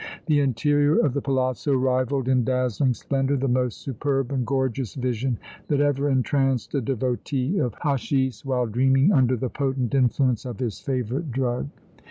The interior of the palazzo rivaled in dazzling splendor the most superb and gorgeous vision that ever entranced a devotee of hatchis while dreaming under the potent influence of his favorite drug.